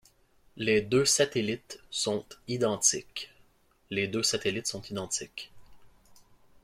Les deux satellites sont identiques.